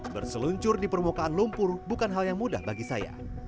berseluncur di permukaan lumpur bukan hal yang mudah bagi saya